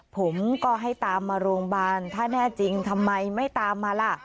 ผมก็ให้ตามมาโรงพยาบาลถ้าแน่จริงทำไมไม่ตามมาล่ะ